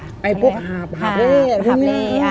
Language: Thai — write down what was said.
ไอ้พวกหาบหาบเล่